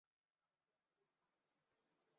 这个故事隶属于他的机器人系列的作品。